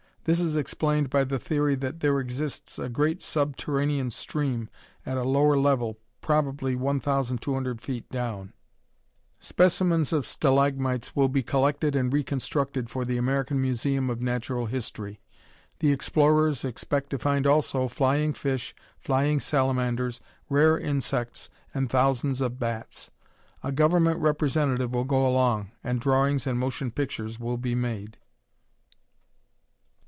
This is explained by the theory that there exists a great subterranean stream at a lower level, probably 1,200 feet down. Specimens of stalagmites will be collected and reconstructed for the American Museum of Natural History. The explorers expect to find also flying fish, flying salamanders, rare insects and thousands of bats. A Government representative will go along, and drawings and motion pictures will be made.